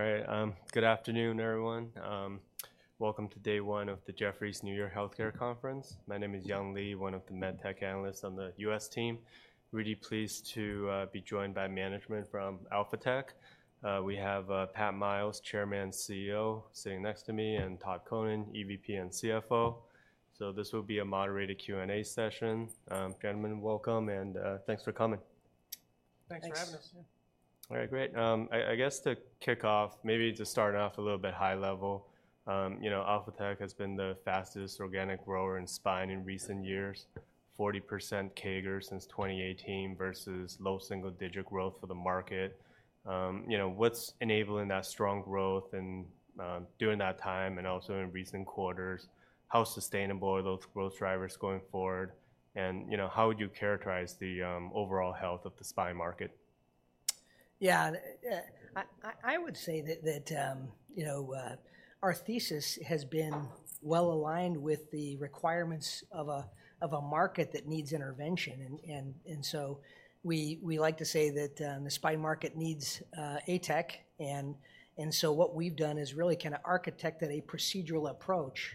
All right, good afternoon, everyone. Welcome to day one of the Jefferies New York Healthcare Conference. My name is Yang Li, one of the med tech analysts on the US team. Really pleased to be joined by management from Alphatec. We have Pat Miles, Chairman and CEO, sitting next to me, and Todd Koning, EVP and CFO. So this will be a moderated Q&A session. Gentlemen, welcome, and thanks for coming. Thanks for having us. Thanks. All right, great. I guess to kick off, maybe to start off a little bit high level, you know, Alphatec has been the fastest organic grower in spine in recent years, 40% CAGR since 2018 versus low single-digit growth for the market. You know, what's enabling that strong growth and during that time and also in recent quarters? How sustainable are those growth drivers going forward? And, you know, how would you characterize the overall health of the spine market? Yeah, I would say that, you know, our thesis has been well aligned with the requirements of a market that needs intervention, and so we like to say that the spine market needs ATEC. And so what we've done is really kinda architected a procedural approach.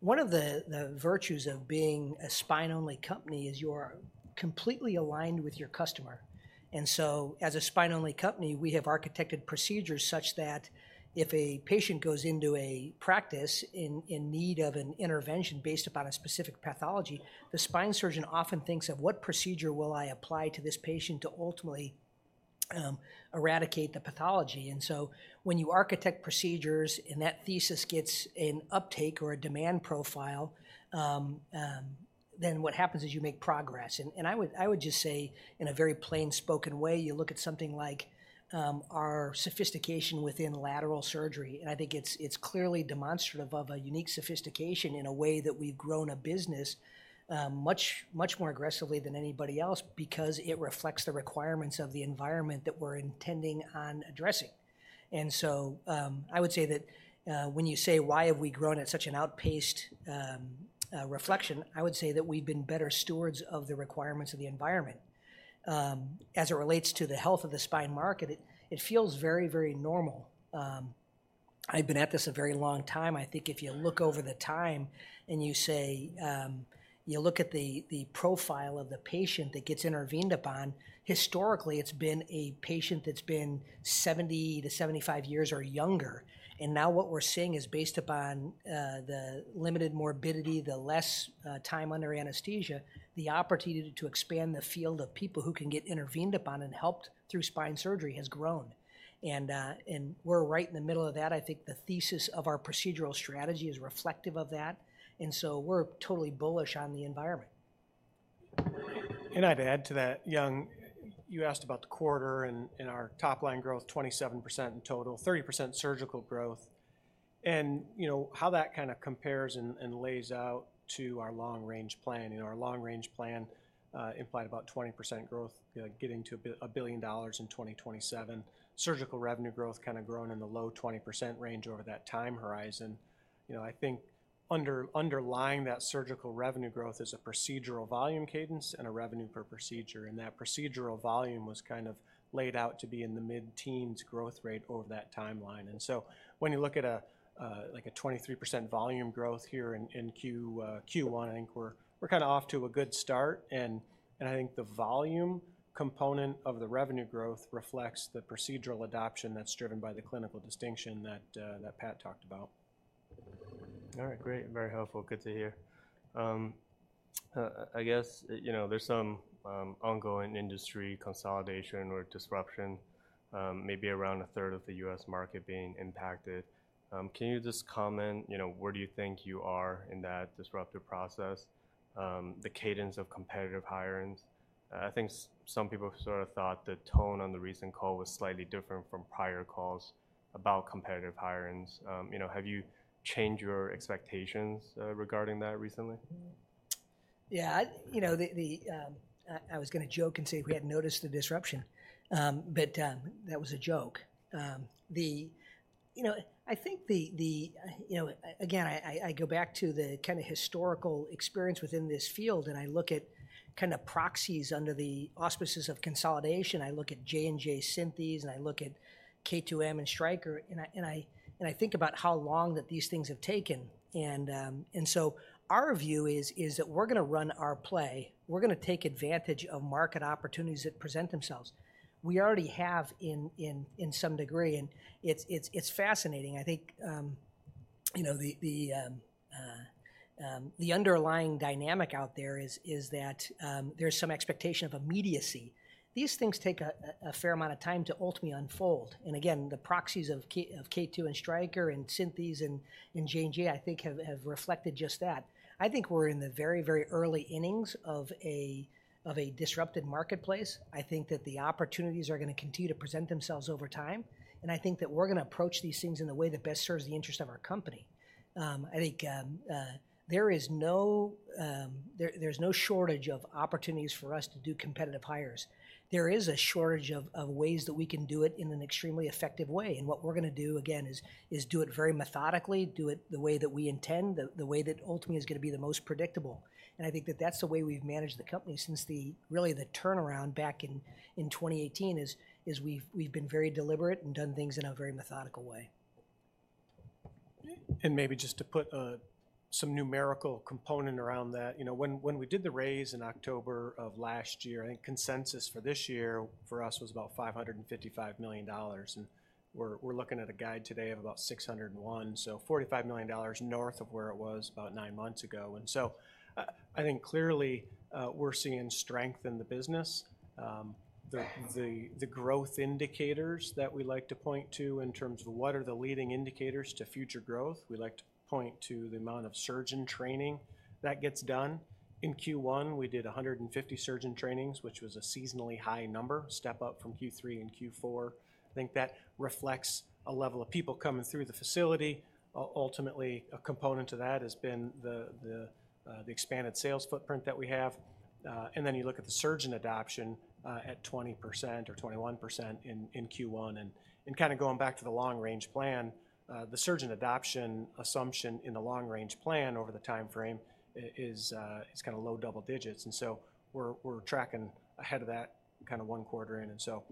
One of the virtues of being a spine-only company is you're completely aligned with your customer. And so as a spine-only company, we have architected procedures such that if a patient goes into a practice in need of an intervention based upon a specific pathology, the spine surgeon often thinks of: What procedure will I apply to this patient to ultimately eradicate the pathology? And so when you architect procedures, and that thesis gets an uptake or a demand profile, then what happens is you make progress. And I would just say, in a very plainspoken way, you look at something like our sophistication within lateral surgery, and I think it's clearly demonstrative of a unique sophistication in a way that we've grown a business much more aggressively than anybody else because it reflects the requirements of the environment that we're intending on addressing. And so I would say that when you say why have we grown at such an outpaced reflection, I would say that we've been better stewards of the requirements of the environment. As it relates to the health of the spine market, it feels very normal. I've been at this a very long time. I think if you look over the time and you say, you look at the, the profile of the patient that gets intervened upon, historically, it's been a patient that's been 70-75 years or younger, and now what we're seeing is based upon, the limited morbidity, the less, time under anesthesia, the opportunity to expand the field of people who can get intervened upon and helped through spine surgery has grown, and, and we're right in the middle of that. I think the thesis of our procedural strategy is reflective of that, and so we're totally bullish on the environment. I'd add to that, Yang, you asked about the quarter and our top line growth, 27% in total, 30% surgical growth, and, you know, how that kinda compares and lays out to our Long-Range Plan. You know, our Long-Range Plan implied about 20% growth, getting to $1 billion in 2027. Surgical revenue growth kinda grown in the low 20% range over that time horizon. You know, I think underlying that surgical revenue growth is a procedural volume cadence and a revenue per procedure, and that procedural volume was kind of laid out to be in the mid-teens growth rate over that timeline. And so when you look at a, like, a 23% volume growth here in Q1, I think we're kinda off to a good start, and I think the volume component of the revenue growth reflects the procedural adoption that's driven by the clinical distinction that Pat talked about. All right, great. Very helpful. Good to hear. I guess, you know, there's some ongoing industry consolidation or disruption, maybe around a third of the U.S. market being impacted. Can you just comment, you know, where do you think you are in that disruptive process, the cadence of competitive hirings? I think some people sort of thought the tone on the recent call was slightly different from prior calls about competitive hirings. You know, have you changed your expectations regarding that recently? Yeah, I, you know, the, I was gonna joke and say we hadn't noticed the disruption, but that was a joke. You know, I think the, you know, again, I go back to the kinda historical experience within this field, and I look at kinda proxies under the auspices of consolidation. I look at J&J Synthes, and I look at K2M and Stryker, and I think about how long that these things have taken. And so our view is that we're gonna run our play. We're gonna take advantage of market opportunities that present themselves. We already have in some degree, and it's fascinating. I think, you know, the underlying dynamic out there is that there's some expectation of immediacy. These things take a fair amount of time to ultimately unfold, and again, the proxies of K2M, and Stryker, and Synthes, and J&J, I think, have reflected just that. I think we're in the very, very early innings of a disrupted marketplace. I think that the opportunities are gonna continue to present themselves over time, and I think that we're gonna approach these things in the way that best serves the interest of our company. I think there's no shortage of opportunities for us to do competitive hires. There is a shortage of ways that we can do it in an extremely effective way, and what we're gonna do, again, is do it very methodically, do it the way that we intend, the way that ultimately is gonna be the most predictable, and I think that that's the way we've managed the company since really the turnaround back in 2018, is we've been very deliberate and done things in a very methodical way. Maybe just to put some numerical component around that, you know, when we did the raise in October of last year, I think consensus for this year for us was about $555 million, and we're looking at a guide today of about $601 million. So $45 million north of where it was about nine months ago. So, I think clearly, we're seeing strength in the business. The growth indicators that we like to point to in terms of what are the leading indicators to future growth, we like to point to the amount of surgeon training that gets done. In Q1, we did 150 surgeon trainings, which was a seasonally high number, step up from Q3 and Q4. I think that reflects a level of people coming through the facility. Ultimately, a component to that has been the expanded sales footprint that we have. And then you look at the surgeon adoption at 20% or 21% in Q1, and kinda going back to the long range plan, the surgeon adoption assumption in the long range plan over the timeframe is kinda low double digits, and so we're tracking ahead of that kinda one quarter in, and so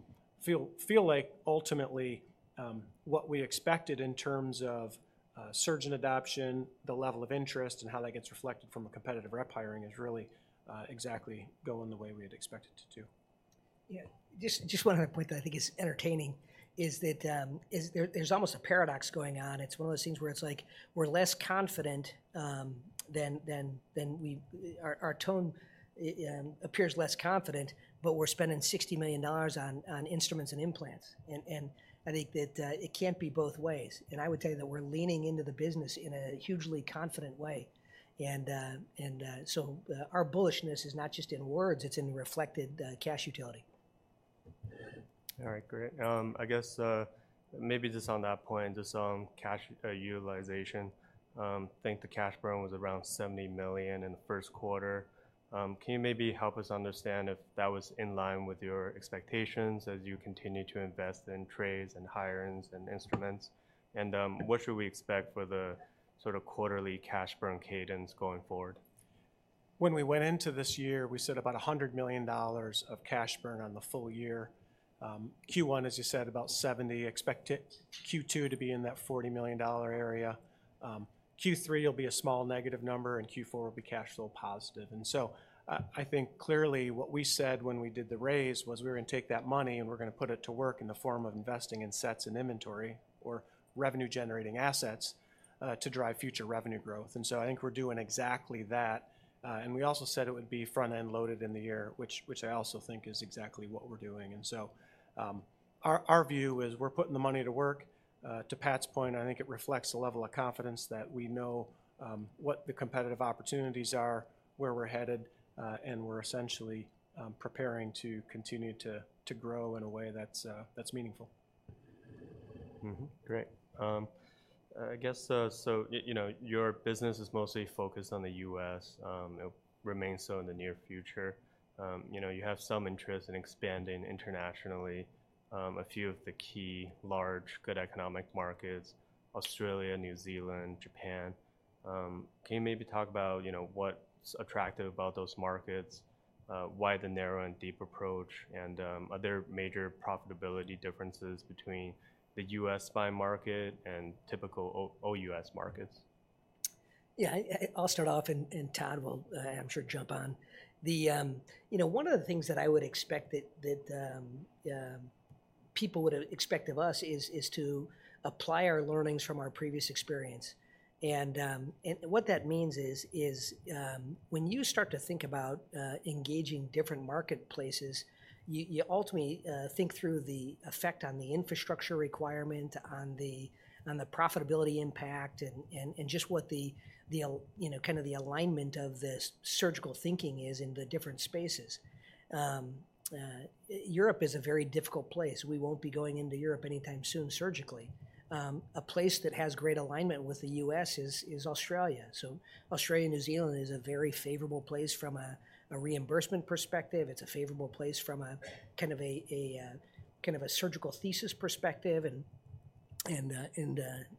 feel like ultimately, what we expected in terms of surgeon adoption, the level of interest, and how that gets reflected from a competitive rep hiring is really exactly going the way we had expected it to. Yeah, just one other point that I think is entertaining is that there's almost a paradox going on. It's one of those things where it's like we're less confident than our tone appears less confident, but we're spending $60 million on instruments and implants, and I think that it can't be both ways. And I would tell you that we're leaning into the business in a hugely confident way. And so our bullishness is not just in words, it's in reflected cash utility. All right, great. I guess, maybe just on that point, just on cash utilization, I think the cash burn was around $70 million in the first quarter. Can you maybe help us understand if that was in line with your expectations as you continue to invest in trades, and hirings, and instruments? What should we expect for the sort of quarterly cash burn cadence going forward? When we went into this year, we said about $100 million of cash burn on the full year. Q1, as you said, about $70 million. Expect it, Q2 to be in that $40 million area. Q3 will be a small negative number, and Q4 will be cash flow positive. I think clearly what we said when we did the raise was we were gonna take that money, and we're gonna put it to work in the form of investing in sets and inventory or revenue-generating assets, to drive future revenue growth, and so I think we're doing exactly that. We also said it would be front-end loaded in the year, which I also think is exactly what we're doing. Our view is we're putting the money to work. To Pat's point, I think it reflects the level of confidence that we know what the competitive opportunities are, where we're headed, and we're essentially preparing to continue to grow in a way that's meaningful. Mm-hmm. Great. I guess, so you know, your business is mostly focused on the US. It'll remain so in the near future. You know, you have some interest in expanding internationally, a few of the key large, good economic markets, Australia, New Zealand, Japan. Can you maybe talk about, you know, what's attractive about those markets, why the narrow and deep approach, and are there major profitability differences between the US spine market and typical OUS markets? Yeah, I'll start off, and Todd will, I'm sure, jump on. You know, one of the things that I would expect that people would expect of us is to apply our learnings from our previous experience, and what that means is, when you start to think about engaging different marketplaces, you ultimately think through the effect on the infrastructure requirement, on the profitability impact, and just what you know, kind of the alignment of the surgical thinking is in the different spaces. Europe is a very difficult place. We won't be going into Europe anytime soon surgically. A place that has great alignment with the U.S. is Australia. So Australia, New Zealand is a very favorable place from a reimbursement perspective. It's a favorable place from a kind of surgical thesis perspective.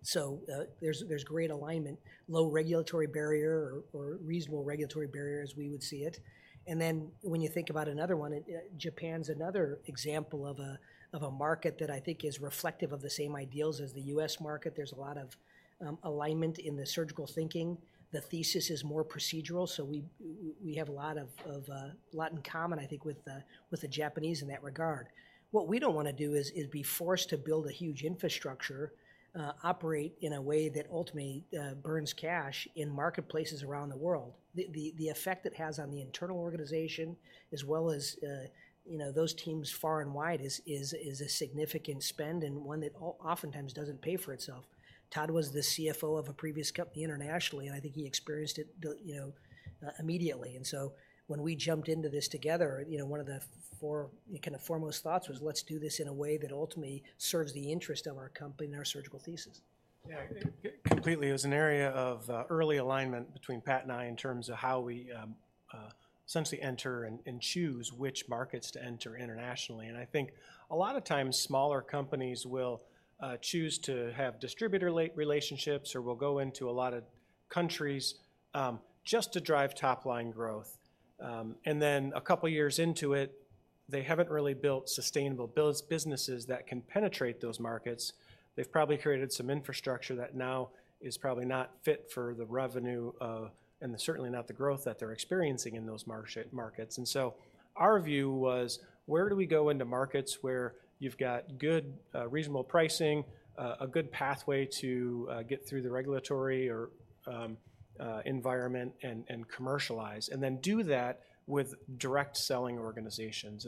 So, there's great alignment, low regulatory barrier or reasonable regulatory barrier, as we would see it. And then, when you think about another one, Japan's another example of a market that I think is reflective of the same ideals as the US market. There's a lot of alignment in the surgical thinking. The thesis is more procedural, so we have a lot in common, I think, with the Japanese in that regard. What we don't wanna do is be forced to build a huge infrastructure, operate in a way that ultimately burns cash in marketplaces around the world. The effect it has on the internal organization, as well as, you know, those teams far and wide, is a significant spend and one that all too often doesn't pay for itself. Todd was the CFO of a previous company internationally, and I think he experienced it, you know, immediately. And so, when we jumped into this together, you know, one of the four, kind of foremost thoughts was, let's do this in a way that ultimately serves the interest of our company and our surgical thesis. Yeah, completely. It was an area of early alignment between Pat and I in terms of how we essentially enter and, and choose which markets to enter internationally. And I think a lot of times smaller companies will choose to have distributor relationships or will go into a lot of countries just to drive top-line growth. And then a couple of years into it they haven't really built sustainable businesses that can penetrate those markets. They've probably created some infrastructure that now is probably not fit for the revenue and certainly not the growth that they're experiencing in those markets. And so our view was, where do we go into markets where you've got good, reasonable pricing, a good pathway to get through the regulatory or environment and commercialize, and then do that with direct selling organizations?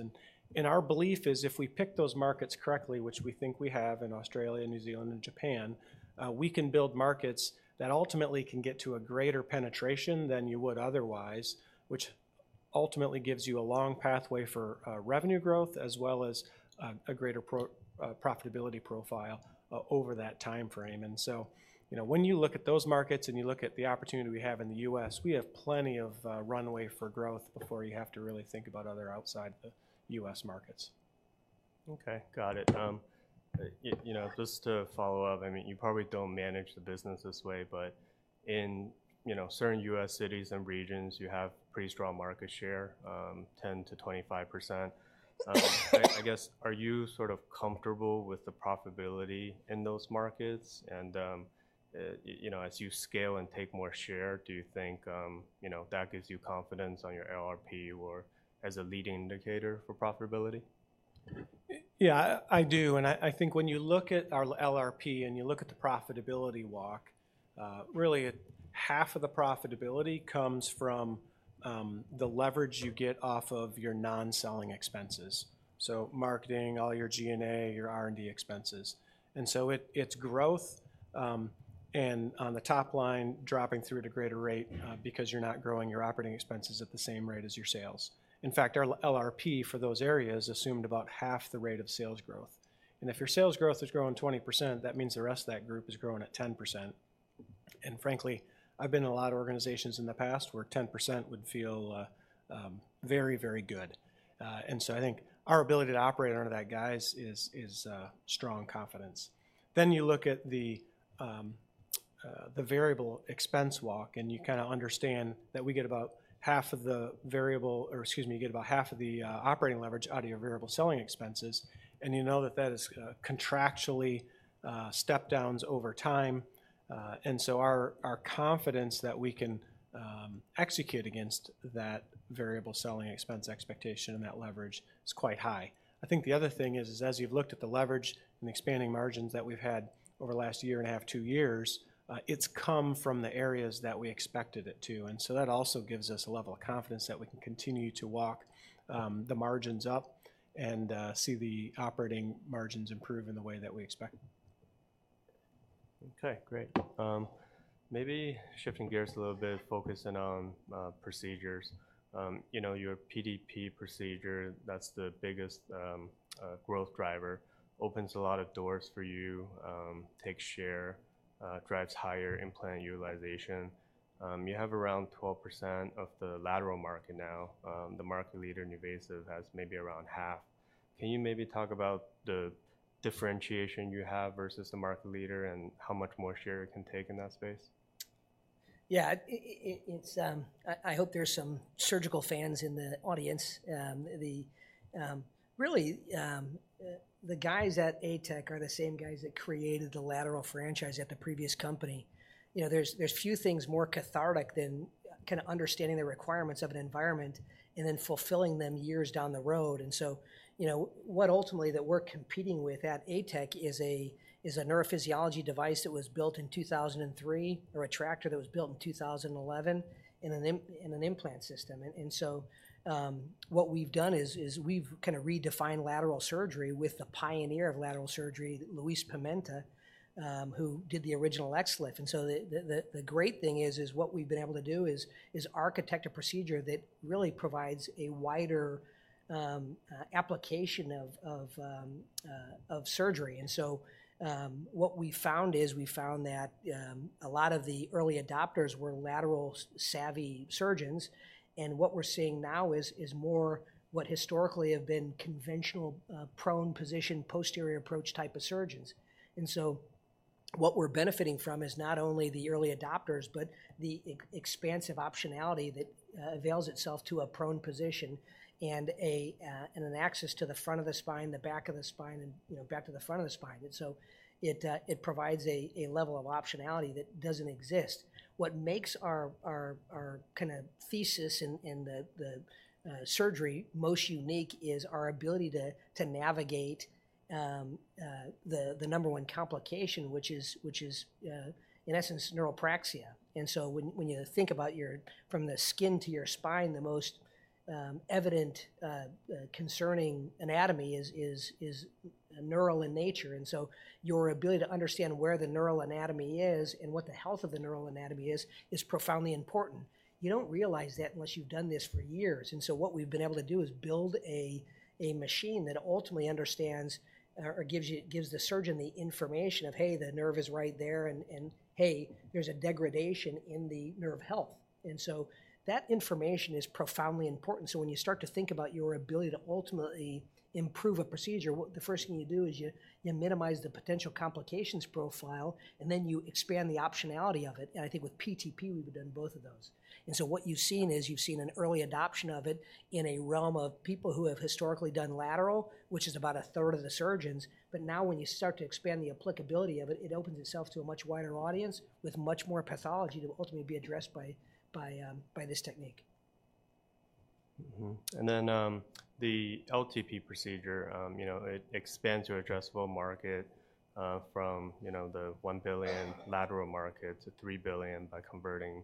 And our belief is if we pick those markets correctly, which we think we have in Australia, New Zealand, and Japan, we can build markets that ultimately can get to a greater penetration than you would otherwise, which ultimately gives you a long pathway for revenue growth, as well as a greater profitability profile over that timeframe. And so, you know, when you look at those markets, and you look at the opportunity we have in the US, we have plenty of runway for growth before you have to really think about other outside the US markets. Okay, got it. You know, just to follow up, I mean, you probably don't manage the business this way, but in, you know, certain U.S. cities and regions, you have pretty strong market share, 10%-25%. I guess, are you sort of comfortable with the profitability in those markets? And, you know, as you scale and take more share, do you think, you know, that gives you confidence on your LRP or as a leading indicator for profitability? Yeah, I do, and I think when you look at our LRP, and you look at the profitability walk, really, half of the profitability comes from the leverage you get off of your non-selling expenses, so marketing, all your G&A, your R&D expenses. And so it's growth, and on the top line, dropping through at a greater rate- Mm-hmm... because you're not growing your operating expenses at the same rate as your sales. In fact, our LRP for those areas assumed about half the rate of sales growth, and if your sales growth is growing 20%, that means the rest of that group is growing at 10%. Frankly, I've been in a lot of organizations in the past where 10% would feel very, very good. And so I think our ability to operate under that guise is strong confidence. Then, you look at the variable expense walk, and you kinda understand that we get about half of the variable, or excuse me, you get about half of the operating leverage out of your variable selling expenses, and you know that that is contractually stepped down over time. And so our confidence that we can execute against that variable selling expense expectation and that leverage is quite high. I think the other thing is as you've looked at the leverage and expanding margins that we've had over the last year and a half, two years, it's come from the areas that we expected it to, and so that also gives us a level of confidence that we can continue to walk the margins up and see the operating margins improve in the way that we expect. Okay, great. Maybe shifting gears a little bit, focusing on procedures. You know, your PTP procedure, that's the biggest growth driver, opens a lot of doors for you, takes share, drives higher implant utilization. You have around 12% of the lateral market now. The market leader NuVasive has maybe around half. Can you maybe talk about the differentiation you have versus the market leader and how much more share it can take in that space? Yeah, I hope there's some surgical fans in the audience. Really, the guys at ATEC are the same guys that created the lateral franchise at the previous company. You know, there's few things more cathartic than kinda understanding the requirements of an environment and then fulfilling them years down the road. And so, you know, what ultimately that we're competing with at ATEC is a neurophysiology device that was built in 2003 or a retractor that was built in 2011 in an implant system. And so, what we've done is we've kinda redefined lateral surgery with the pioneer of lateral surgery, Luiz Pimenta, who did the original XLIF. And so the great thing is what we've been able to do is architect a procedure that really provides a wider application of surgery. And so what we found is that a lot of the early adopters were lateral-savvy surgeons, and what we're seeing now is more what historically have been conventional prone position, posterior approach type of surgeons. And so what we're benefiting from is not only the early adopters but the expansive optionality that avails itself to a prone position and an access to the front of the spine, the back of the spine, and, you know, back to the front of the spine. And so it provides a level of optionality that doesn't exist. What makes our kinda thesis in the surgery most unique is our ability to navigate the number one complication, which is, in essence, neuropraxia. And so when you think about your—from the skin to your spine, the most evident concerning anatomy is neural in nature, and so your ability to understand where the neural anatomy is and what the health of the neural anatomy is, is profoundly important. You don't realize that unless you've done this for years. And so what we've been able to do is build a machine that ultimately understands or gives the surgeon the information of, hey, the nerve is right there, and, hey, there's a degradation in the nerve health, and so that information is profoundly important. So when you start to think about your ability to ultimately improve a procedure, what the first thing you do is you minimize the potential complications profile, and then you expand the optionality of it, and I think with PTP, we've done both of those. And so what you've seen is you've seen an early adoption of it in a realm of people who have historically done lateral, which is about a third of the surgeons, but now when you start to expand the applicability of it, it opens itself to a much wider audience with much more pathology to ultimately be addressed by this technique. Mm-hmm. And then, the LTP procedure, you know, it expands your addressable market from the $1 billion lateral market to $3 billion by converting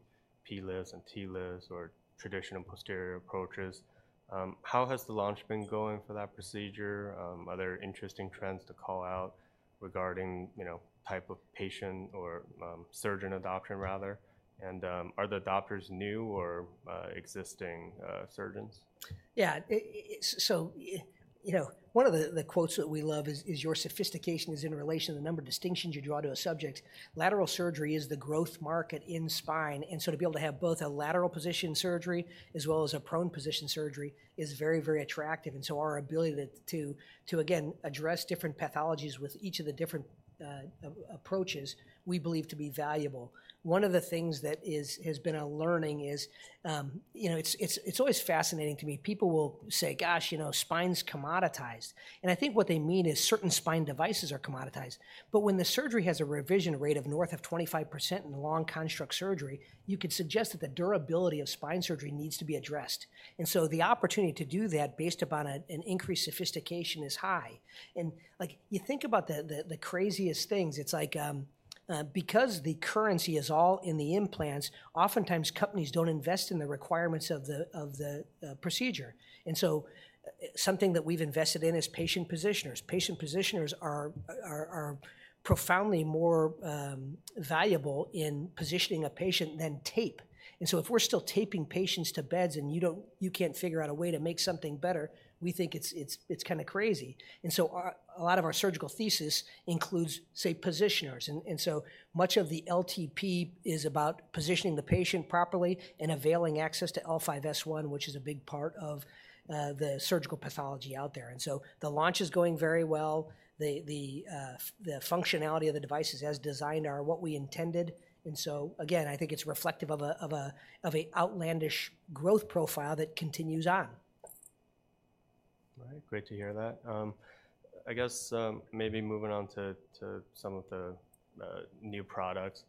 PLIFs and TLIFs or traditional posterior approaches. How has the launch been going for that procedure? Are there interesting trends to call out regarding type of patient or surgeon adoption rather? And are the adopters new or existing surgeons? Yeah, so, you know, one of the quotes that we love is, "Your sophistication is in relation to the number of distinctions you draw to a subject." Lateral surgery is the growth market in spine, and so to be able to have both a lateral position surgery as well as a prone position surgery is very, very attractive. And so our ability to, again, address different pathologies with each of the different approaches, we believe to be valuable. One of the things that has been a learning is, you know, it's always fascinating to me. People will say, "Gosh, you know, spine's commoditized." And I think what they mean is certain spine devices are commoditized. But when the surgery has a revision rate of north of 25% in a long construct surgery, you could suggest that the durability of spine surgery needs to be addressed. And so the opportunity to do that based upon an increased sophistication is high. And, like, you think about the craziest things, it's like, because the currency is all in the implants, oftentimes companies don't invest in the requirements of the procedure. And so something that we've invested in is patient positioners. Patient positioners are profoundly more valuable in positioning a patient than tape. And so if we're still taping patients to beds, and you can't figure out a way to make something better, we think it's kinda crazy. And so a lot of our surgical thesis includes, say, positioners, and so much of the LTP is about positioning the patient properly and availing access to L5-S1, which is a big part of the surgical pathology out there. And so the launch is going very well. The functionality of the devices as designed are what we intended. And so, again, I think it's reflective of a outlandish growth profile that continues on. All right. Great to hear that. I guess, maybe moving on to some of the new products.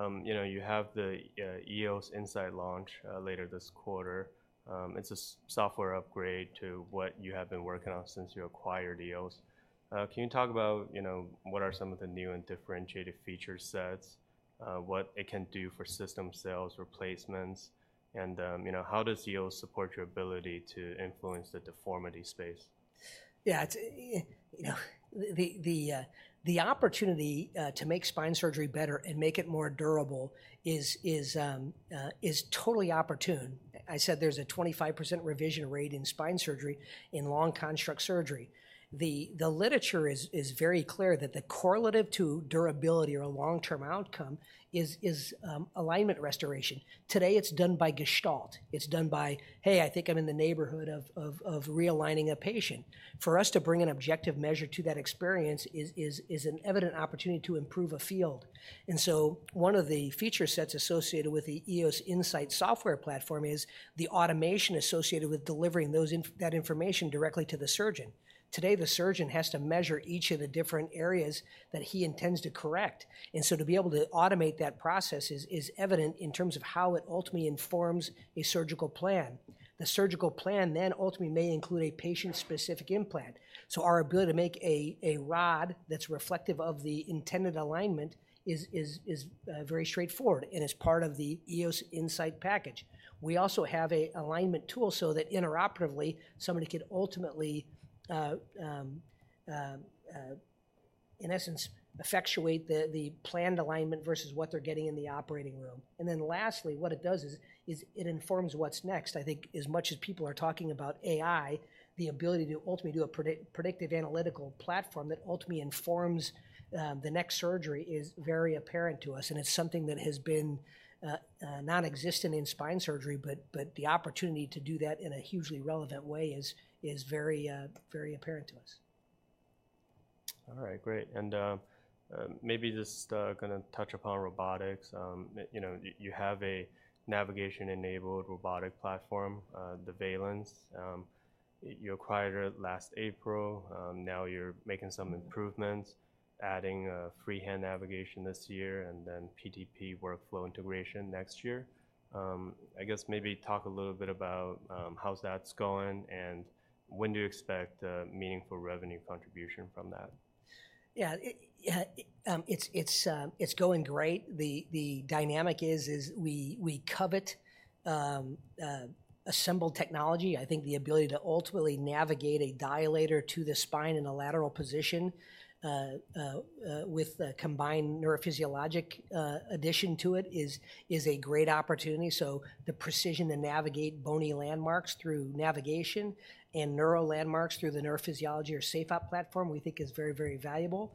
You know, you have the EOS Insight launch later this quarter. It's a software upgrade to what you have been working on since you acquired EOS. Can you talk about, you know, what are some of the new and differentiated feature sets, what it can do for system sales, replacements, and, you know, how does EOS support your ability to influence the deformity space? Yeah, it's, you know, the opportunity to make spine surgery better and make it more durable is totally opportune. I said there's a 25% revision rate in spine surgery in long construct surgery. The literature is very clear that the correlative to durability or long-term outcome is alignment restoration. Today, it's done by gestalt. It's done by, "Hey, I think I'm in the neighborhood of realigning a patient." For us to bring an objective measure to that experience is an evident opportunity to improve a field. And so one of the feature sets associated with the EOS Insight software platform is the automation associated with delivering that information directly to the surgeon. Today, the surgeon has to measure each of the different areas that he intends to correct, and so to be able to automate that process is evident in terms of how it ultimately informs a surgical plan. The surgical plan then ultimately may include a patient-specific implant. So our ability to make a rod that's reflective of the intended alignment is very straightforward and is part of the EOS Insight package. We also have a alignment tool so that intraoperatively somebody could ultimately in essence effectuate the planned alignment versus what they're getting in the operating room. And then lastly, what it does is it informs what's next. I think as much as people are talking about AI, the ability to ultimately do a predictive analytical platform that ultimately informs the next surgery is very apparent to us, and it's something that has been nonexistent in spine surgery, but the opportunity to do that in a hugely relevant way is very apparent to us. All right, great. And, maybe just, kinda touch upon robotics. You know, you have a navigation-enabled robotic platform, the REMI. You acquired it last April. Now you're making some improvements, adding freehand navigation this year, and then PTP workflow integration next year. I guess maybe talk a little bit about how that's going, and when do you expect a meaningful revenue contribution from that? Yeah, it's going great. The dynamic is we covet assembled technology. I think the ability to ultimately navigate a dilator to the spine in a lateral position with a combined neurophysiologic addition to it is a great opportunity. So the precision to navigate bony landmarks through navigation and neural landmarks through the neurophysiology or SafeOp platform, we think is very, very valuable.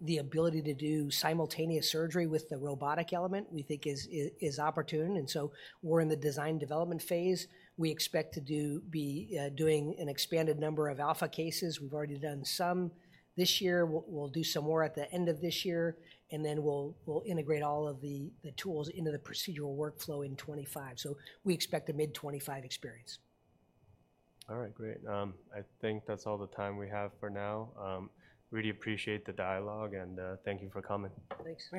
The ability to do simultaneous surgery with the robotic element, we think is opportune, and so we're in the design development phase. We expect to be doing an expanded number of alpha cases. We've already done some this year. We'll do some more at the end of this year, and then we'll integrate all of the tools into the procedural workflow in 2025. We expect a mid-2025 experience. All right, great. I think that's all the time we have for now. Really appreciate the dialogue, and, thank you for coming. Thanks so much.